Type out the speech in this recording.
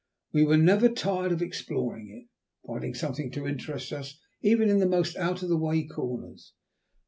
We were never tired of exploring it, finding something to interest us in even the most out of the way corners.